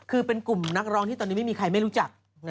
คือเป็นกลุ่มนักร้องที่ตอนนี้ไม่มีใครไม่รู้จัก